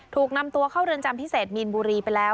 ถูกนำตัวเข้าเรือนจำพิเศษมีนบุรีไปแล้ว